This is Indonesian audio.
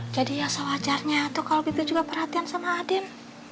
jadi ya sewajarnya tuh kalau bebi juga perhatian sama aden